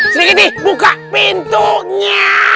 sedikit deh buka pintunya